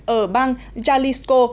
ở bang jalisco